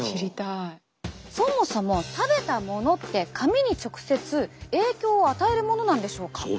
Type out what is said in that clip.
そもそも食べたものって髪に直接影響を与えるものなんでしょうか？